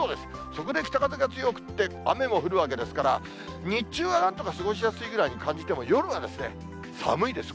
そこで北風が強くって、雨も降るわけですから、日中はなんとか過ごしやすいくらいに感じても、夜は寒いです。